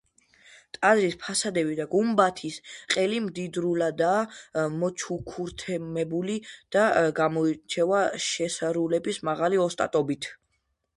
ტაძრის ფასადები და გუმბათის ყელი მდიდრულადაა მოჩუქურთმებული და გამოირჩევა შესრულების მაღალი ოსტატობით.